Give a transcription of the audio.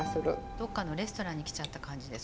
どっかのレストランに来ちゃった感じです。